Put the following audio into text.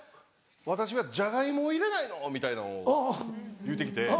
「私はジャガイモを入れないの」みたいなんを言うて来て。